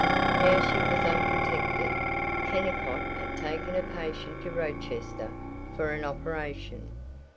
Now she was unprotected. Kennicott had taken a patient to Rochester for an operation.